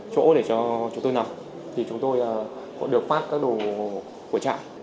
chỗ để cho chúng tôi nằm thì chúng tôi được phát các đồ của trại